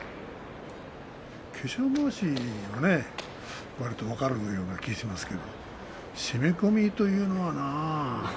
化粧まわしは分かるような気がしますが締め込みというのはな